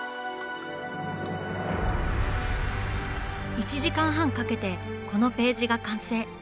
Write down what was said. １時間半かけてこのページが完成。